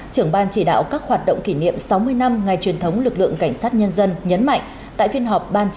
trưởng ban chỉ đạo các hoạt động kỷ niệm sáu mươi năm ngày truyền thống lực lượng cảnh sát nhân dân nhấn mạnh